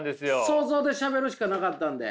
想像でしゃべるしかなかったんで。